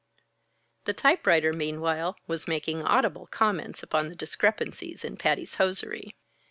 The typewriter, meanwhile, was making audible comments upon the discrepancies in Patty's hosiery.